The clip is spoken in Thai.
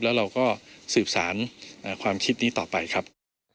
แล้วเราก็สืบสารความคิดนี้ต่อไปครับ